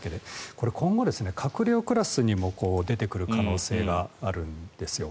これ、今後閣僚クラスにも出てくる可能性があるんですよ。